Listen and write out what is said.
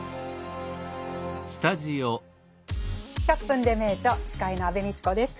「１００分ｄｅ名著」司会の安部みちこです。